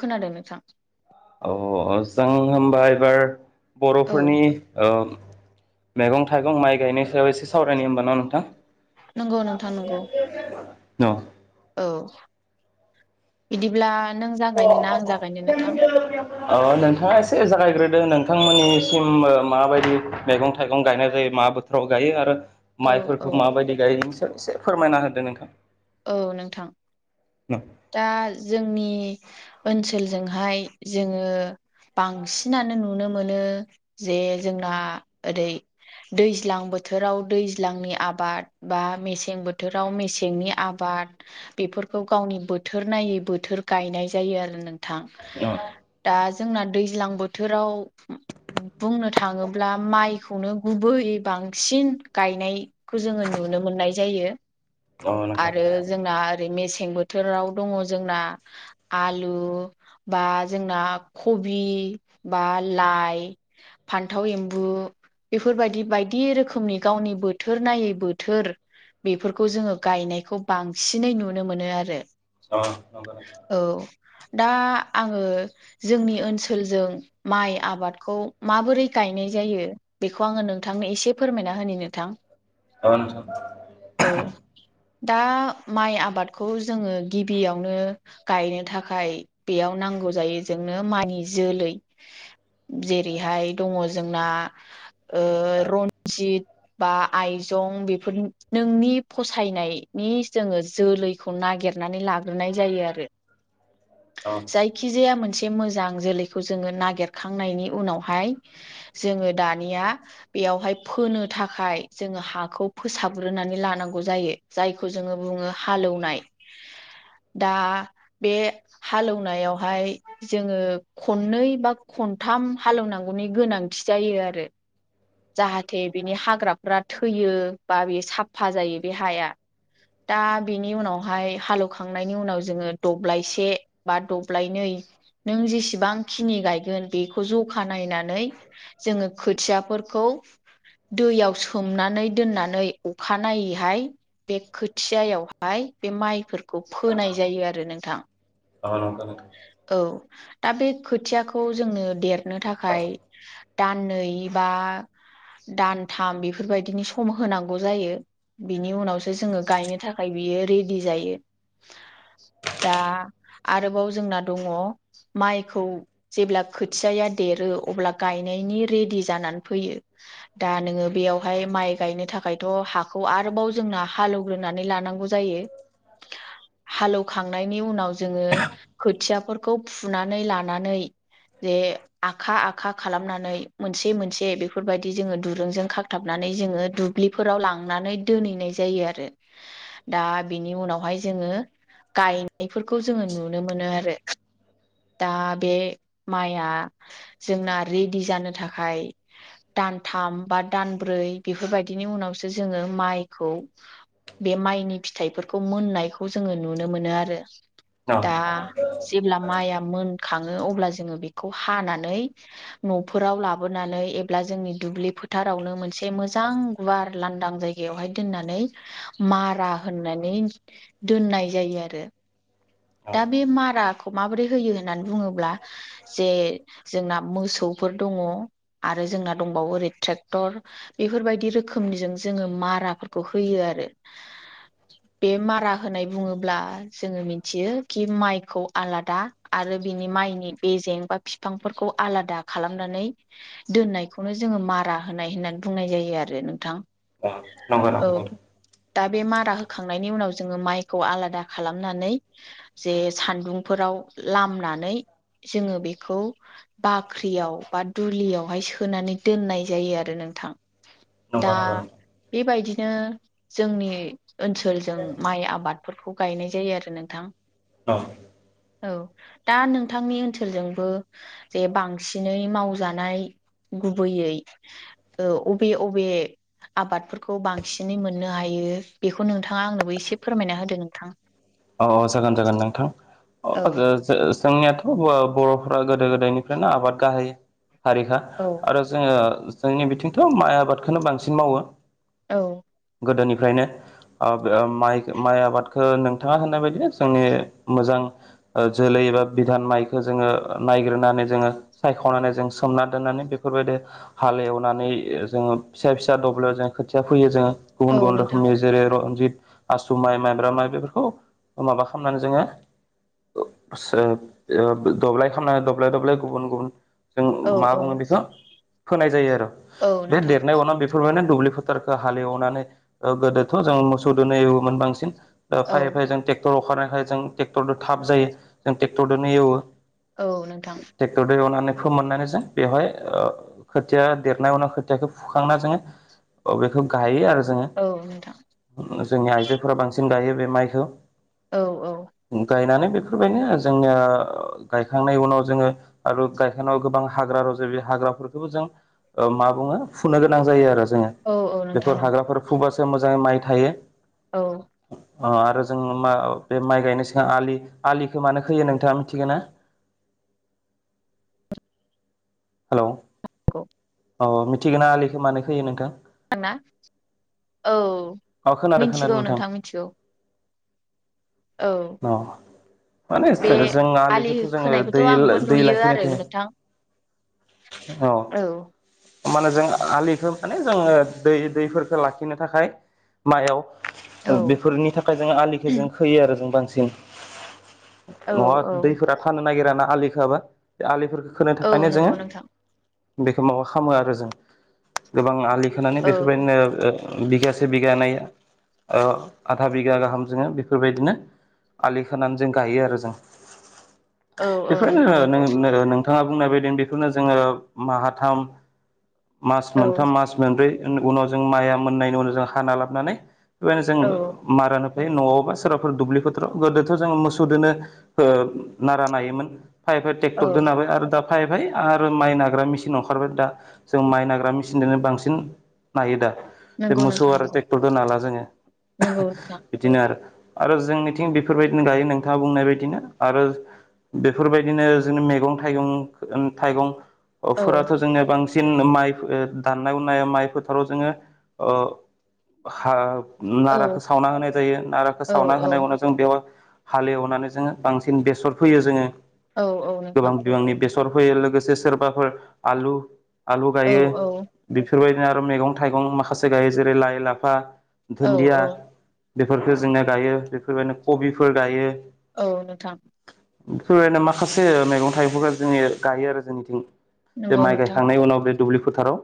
खोनादों नोंथां [unintelligible] अ जों होबा एबार औ बर'फोरनि मैगं थाइगं माइ गायनाय सायाव एसे सावरायनो होनबा ना नोंथां नंगौ नोंथां नंगौ [inaudible] औ बिदिब्ला नों अ जागायनो ना आं जागायनो नोंथां नोंथाङा एसे जागायग्रो आरो नोंथांमोननिसिम माबादि मैगं थाइगं गायनाय जायो मा बोथोराव गायो आरो औ औ माइफोरखौ माबायदि गायो नोंसोर एसे फोरमायना होदों नोंथां औ नोंथां अ दा जोंनि ओनसोलजोंहाय जोङो बांसिनानो नुनो मोन मोनो जे जोंना ओरै दैज्लां बोथोराव दैज्लांनि आबाद बा मेसें बोथोराव मेसेंनि आबाद बेफोरखौ गावनि बोथोर नायै बोथोर गायनाय जायो आरो ना थां दा जोंना दैज्लां बोथोराव बुंनो थाङोब्ला माइखौनो गुबैयै बांसिन गायनाय खौ जोङो नुनो मोननाय जायो अ नोंथां आरो जोंना ओरै मेस सें बोथोराव दं जोंना आलु बा जोंना कबि बा लाइ फानथाव एम्बु बेफोरबादि बायदि रोखोमनि गावनि बोथोर नायै बोथोर बेफोरखौ जोङो गायनायखौ बांसिनै नुनो मोनो आरो अ नंगौ नोंथां औ दा आङो जोंनि ओनसोलजों माइ आबादखौ माबोरै गा गायनाय जायो बेखौ आं नोंथांनो एसे फोरमायना होनि नोंथां ओ नोंथां औ दा माइ आबादखौ जोङो गिबियावनो गायनो थाखाय बे याव नांगौ जायो जोंनो माइ जोलै जेरैहाय दं जोंना ओ रन्जित बा आइजं बेफोर नोंनि फसायनायनि जोङो जोलैखौ नागिरनानै लाग्रोनाय जायो आरो अ जायखिजाया मोनसे से मोजां जोलैखौ जोङो नागिरखांनायनि उनावहाय जोङो दानिया बेयावहाय फोनो थाखाय जोङो हाखौ फोसाबग्रोनानै लानांगौ गौ जायो जायखौ जोङो बुङो हालौवनाय दा बे हालौवनायावहाय जोङो खननै बा खनथाम हालौवनांगौनि गोनांथि जायो आरो जाहाथे बिनि हाग्राफोरा थैयो बा बे साफा जायो बेे हाया दा बेनि उनावहाय हालौवखांनायनि उनाव जोङो दब्लायसे बा द ब्लाय नै नों जेसेबां खिनि गायगोन बेखौ ज'खा नायनानै जोङो खोथियाफोरखौ दैयाव सोमनानै दोननानै अखानायै हाय बे खोथियायावहाय बे माइफोरखौ फोनाय जायो आरो नोंथां ओ नंगौ नोंथां औ दा बे खोथियाखौ जोंनो देरनो थाखाय दाननै बा दानथाम बेफोरबायदिनि सम होनांगौ जायो। बिनि उनावसो जोङो गायनो थाखाय बियो रेदि जायो। दा आरोबाव जोंना दङ माइखौ जेब्ला खोथियाआ देरो अब्ला गायनायनि रेडि जानानै फैयो दा नोङो बेयावहाय माइ गायनो थाखायथ' हा खौ आरोबाव जोंना हालौवग्रोनानै लानांगौ जायो हालौवखांनायनि उनाव जोङो खोथियाफोरखौ फुनानै लानानै जे आखा आखा खालामनानै मोनसे मोनसे जे बेफोरबायदि जोङो दुरुंजों खाखथाबनानै जोङो दुब्लिफोराव लाङ नानै दोनहैनाय जायो आरो दा बिनि उनावहाय जोङो गायनायफोरखौ जोङो नुनो मोनो आरो दा बे माया जोंना रेडि जानो थाखाय दानथाम बा दानब्रै बेफोरबायदिनि उनावसो जोङो माइखौ बे माइनि फिथाइफोरखौ मोननायखौ जोङो नुनो मोनो आरो दा जेब्ला माइया मोनखाङो अब्ला जोङो बेखौ हानानै न' फोराव लाबोनानै एब्ला जोंनि दुब्लि फोथार फोरावनो मोनसे मोजां गुवार लांदां जायगायावहाय दोननानै मारा होननानै दोननाय जायो आरो [inaudible] दा बे माराखौ माबोरै होयो होननानै बुङोब्ला जे जोंना मोसौ फोर दंङ आरो जोंना दंबावो ओरै ट्रकटर बेफोरबादि रोखो रोखोमनिजों जोङो माराफोरखौ होयो आरो बे मारा होननाय बुङोब्ला जोङो मिथियो कि माइखौ आलादा आरो बिनि माइनि बेजें बा फिफां फोरखौ आलादा खालामनानै दोननायखौनो जोङो मारा मारा होनाय होननानै बुंनाय जायो आरो नों [unintelligible] दा बे मारा होखांनायनि उनाव जोङो माइखौ आलादा खालामनानै जे सान्दुंफोरा आव लामनानै जोङो बेखौ बाख्रियाव बा दुलियावहाय सोनानै दोननाय जायो आरो नों नोथां नंगौ नंगौ नंगौ बेबायदिनो जोंनि ओनसोलजों माइ आबादफोरखौ गायनाय जायो आरो नोंथां औ औ दा नोंथांनि ओनसोलजोंबो जे बांसिनै मावजानाय गुबैयै ओ अबे अबे आबादफोरखौ बांसिनै मोननो हायो बेखौ नोंथाङा आंनोबो एसे फोरमायना होदो नोंथां औ औ जागोन जागोन नोंथां औ [unintelligible] जोंनियाथ' बर'फोरा गोदो गोदायनिफ्रायनो आबाद गाहायो हारिखा औ आरो जोङो जोंनि बिथिंथ' माइ आबादखौनो बांसिन मावो औ गोदोनिफ्रायनो ओ माइखो माइ आबादखौ नों नोंथाङा होननाय बायदिनो जोंनि मोजां ओ जोलै एबा बिधान माइखौ जोङो नायगिरनानै जोङो सयख'नानै जों सोमना दोननानै बेफोरबायदि हाल एवनानै जोङो फिसा फिसा अब्ला जों खोथिया फोयो जोङो गुबुन औ गुबुन नोंथां रोखोमनि जेरै रनजित आसु माइ माइब्रा माइ बेफोर माबा खालामनानै जोङो [unintelligible] दब्लाय खामना दब्लाय दब्लाय गुबुन गुबुन जों औ मा औ बुङो बेखौ फोनाय जायो आरो औ बे नोंथां देरनाय उनाव बेफोरबानो दुब्लि फोथारखौ हालेवनानै गोदोथ' जों मोसौ दोनो एवोमोन बांसिन दा औ फायै फायै जों ट्रेक्टर अखारनायखाय जों ट्रेक्टर दो थाब जायो जों ट्रेक्टरनो एवो औ नोंथां बेखो मोननानै जों बेवहाय खोथिया देरनाय उनाव खोथियाखौ फुखांना जोङो अ बेखौ गायो आरो औ नोंथां जोङो जोंनि आइजोफोरा बांसिन गायो बे माइखौ औ औ गायनानै बेफोरबायदिनो जोंनिया गायखांनायनि उनाव जोङो आरो गायखांनायाव गोबां हाग्रा रजा बे हा हाग्राफोरखौबो जों मा बुङो फुनो गोनां जायो आरो जोङो औ औ नोंथां बेफोर नंगौ हाग्राफोर फुबासो मोजाङै माइ थायो। औ अ आरो जों मा बे माइ गायनो सिगां आलि आलिखौ मानो खोयो नोंथाङा मिथिगोन ना? [inaudible] हेलौ [unintelligible] अ मिथिगोन ना आलिखो मानो खोयो नोंथां? आंना औ औ खोनादों खोनादों मिन्थिगौ नोंथां मिन्थिगौ। औ औ माने बे जों आलि आलिखौथ' जोङो खोनायखौथ' दै आंबो दै नुयो लाखिनो आरो थो नोंथां औ औ मा होनो जों आलिखौ माने जोङो दै-दैफोरखौ लाखिनो थाखाय मायाव औ बेफोरनि थाखाय जों आलिखौ जों खोयो आरो जों बांसिन। औ नङा औ दैफोरा थानो नागिराना आलि खोआबा बे आलिफोरखौ खोनो औ थाखायनो जोङो नंगौ नोंथां बेखौ माबा खालामो आरो जों गोबां आलि खोनानै औ बेफोरबायदिनो बिगासे बिगानै‌ ओ आधा बिगा गाहाम जोङो बेफोरबायदिनो आलि खानानै जों गायो आरो जों औ औ नोंथां नंगौ बेफोरनो [unintelligible] थाङा बुंनाय बायदि बेखौनो जोङो माहाथाम मास औ मोनथाम मास मोनब्रै उनाव जों माइया मोननायनि उनाव जों हाना लाबोनानै बेबायनो जों औ मारानो फ्राय न'आवबा सोरबाफोर दुब्लि फोथ्राव गोदोथ' जों मोसौदोनो नारा नायोमोन। खाइपहाय ट्रेक्टर औ दोनहाबाय आरो दा फाइपहाय आरो माइ नाग्रा मेसिन ओंखारबाय दा जों माइ नाग्रा मेसिनजोंनो बांसिन नायो दा। बे नंगौ मोसौ नोंथां आरो नंगौ ट्रेक्टर दं नाला जोङो नंगौ नोंथां बिदिनो आरो आरो जोंनिथिं बेफोरबायदिनो गायो नोंथाङा बुंनाय बायदिनो आरो बेफोरबायदिनो जोंनि मैगं थाइगं औ थाइगंफोराथ' जोंनिया बांसिन सिन माइ दाननाय हनाय माइ फोथाराव जोङो ओ हाब औ नाराखौ सावना होनाय जायो नाराखौ औ सावना होनाय उनाव जों बेयाव हालेवनानै जोङो बांसिन बेसर फैयो जोङो औ औ नोंथां सर फयो लोगोसे सोरबाफोर आलु आलु औ गायो औ बि फोरबायदिनो आरो मैगं थाइगं माखासे गायो जेरै लाइ लाफा औ दुन्दिया औ बेफोरखौ जोंनो गायो बेफोरबायदिनो कबिफोर गायो औ नोंथां बेफोरबायनो माखासे मैगं थाइगंफोरखौ जों गायो आरो जोंनिथिं। बे नंगौ माइ नोंथां गायखांनायनि उनाव बे दुब्लि फोथाराव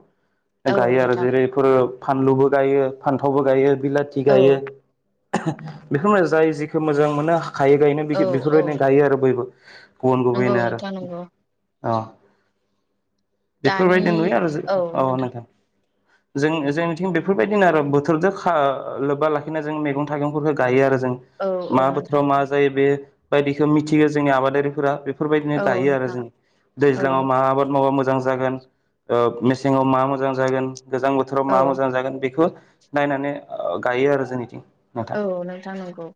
औ गायो आरो नोंथां जेरैफोरो फानलुबो गायो फान्थावबो गायो बिलाथि औ गायो बेखौ जाय जेखौ मोजां मोनो खायै गायनो औ औ बे-बेफोरबायदिनो गायो आरो बयबो। गुबुन नंगौ गुबुनैनो आरो नोंथां नंगौ अ दानि फोरबायदि नुयो आरो औ नोंथां जों-जोंनिथिं बेफोरबायदिनो आरो बोथोरजों खा-लोब्बा लाखिनानै जों मैगं थाइगंफोरखौ गायो आरो जों औ औ मा नोंथां बोथोराव मा जायो बे बायदिखौ मिथियो जोंनि आबादारिफोरा फोरबायदिनो औ गायो आरो नोंथां जों दैज्लाङाव औ मा आबाद मावा मोजां जागोन ओ मेसेङाव मा मोजां जागोन गोजां बोथोराव मा औ मोजां जागोन बेखौ नायनानै गायो आरो जोंनिथिं नोंथां औ नोंथां नंगौ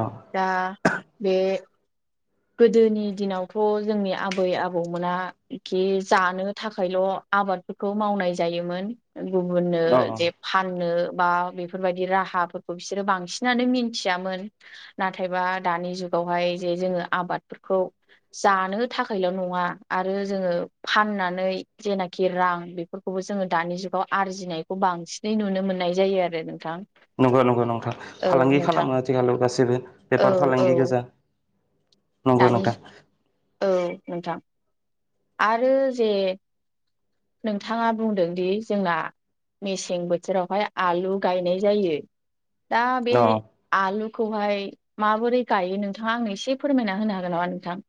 औ दा बे गोदोनि दिनावथ' जोंनि आबै आबौमोना खि जानो थाखायल' आबादफोरखौ मावनाय जायोमोन गुबुननो औ जे फाननो बा बेफोरबायाददि राहाफोरखौ बिसोरो बांसिनानो मिथियामोन नाथायबा दानि जुग गावहाय जे जोङो आबादफोरखौ जानो थाखायल' नङा आरो जोङो फाननानै जेनाखि रां बेफोरखौबो जोङो दानि जुगाव आरजिनायखौ बांसिनै नुनो मोननाय जायो आरो नोंथां नंगौ नंगौ नंथा औ फालांगि नोंथां खालामो आथिखालाव गासिबो औ बेफार औ फालांगि गोजा। नंगौ दानि नोंथां औ नोंथां। आरो जे नोंथाङा बुंदों दि जोंना मेसें बोथोरावहाय आलु गायनाय जायो। दा बे औ आलुखौहाय माबोरै गायो नोंथाङा आंनो एसे फोरमायना होनो हागोन नामा नोंथां।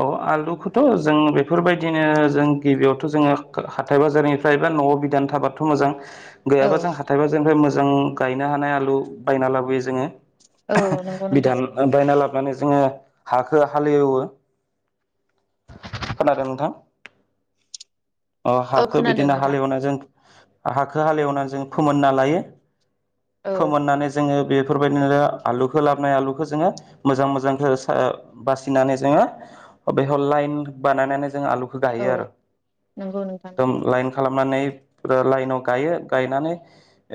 औ आलुखौथ' जों बेफोरबायदिनो जों गिबियावथ' जोङो हाथाय बाजारनिफ्राय [unintelligible] न'आव बिदान थाबाथ' मोजां औ गैयाबा जों हाथाय बाजारनिफ्राइ मोजां गायनो हानाय आलु बायना लाबोयो जोङो। औ नंगौ नोंथां बिधान बायना लाबोनानै जोङो हाखौ हालेवो खोनादों नोंथां अ औ हाखौ खोनादों बिदिनो नोंथां हालेवना जों हाखौ हालेवना जों फोमोनना लायो। औ फोमोननानै जोङो बेफोरबायदिनो आलुखौ लाबोनाय आलुखौ जोङो मोजां मोजांखो [unintelligible] बासिनानै जोङो [unintelligible] जों आलुखौ औ गायो आरो नंगौ नोंथां एदम नंगौ लाइन खालामनानै ओ लाइनाव गायो गायनानै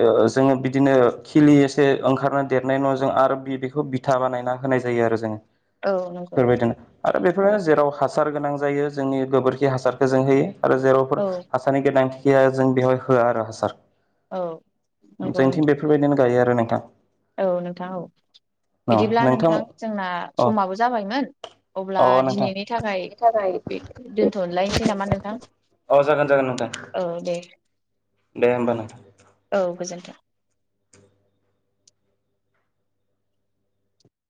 ओ जोङो बिदिनो खिलि एसे ओंखारनो देर बे न' जों आरो बे बेखौ बिथा बानायना होनाय जायो आरो जों औ नंगौ नोंथां [unintelligible] बेफोरनो औ जेराव हासार गोनां जायो जोंनि गोबोरखि हासारखौ जों होयो। आरो जेरावफोर औ हासारनि गोनांथि गैया जों बेवहाय होआ आरो हासार औ नंगौ जोंथिं नोंथां बेफोरबायदिनो गायो आरो नोंथां औ नोंथां औ बिदिब्ला नोंथां जोंना अ समाबो जाबायमोन अब्ला अ नोंथां दिनैनि थाखाय दोनथ'नलायनोसै नामा नोंथां औ जागोन जागोन नोंथां औ दे दे होमबा नोंथां औ गोजोन्थों [inaudible]